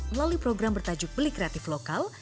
melalui program bertajuk beli kreatif lokal